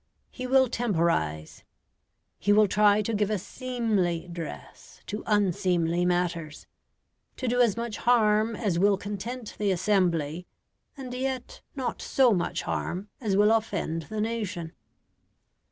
He will temporise; he will try to give a seemly dress to unseemly matters: to do as much harm as will content the assembly, and yet not so much harm as will offend the nation.